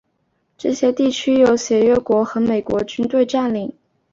这些地区由协约国和美国军队占领。